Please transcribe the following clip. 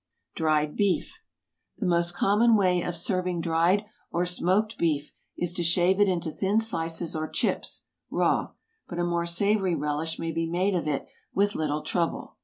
DRIED BEEF. The most common way of serving dried or smoked beef is to shave it into thin slices or chips, raw; but a more savory relish may be made of it with little trouble.